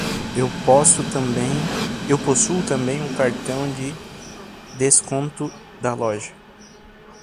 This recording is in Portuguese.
Eu possuo também um cartão de desconto da loja.